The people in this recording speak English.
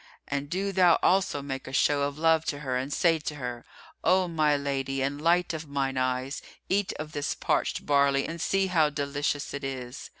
And do thou also make a show of love to her and say to her, 'O my lady and light of mine eyes, eat of this parched barley and see how delicious it is.